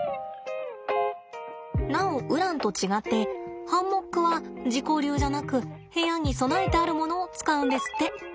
なおウランと違ってハンモックは自己流じゃなく部屋に備えてあるものを使うんですって。